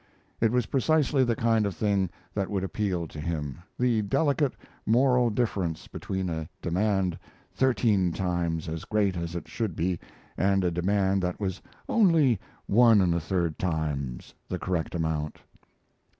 It was precisely the kind of thing that would appeal to him the delicate moral difference between a demand thirteen times as great as it should be and a demand that was only one and a third times the correct amount.